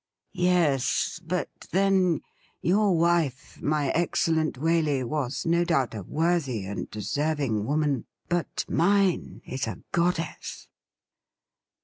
' Yes ; but, then, your wife, my excellent Waley, was no doubt a worthy and deserving woman, but mine is a goddess.'